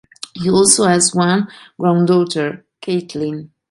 He also has one granddaughter, Kaitlin.